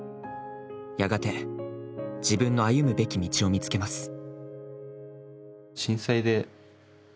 やがて、自分の歩むべき道を見つけます。